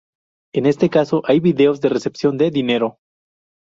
En este caso hay videos de recepción de dinero.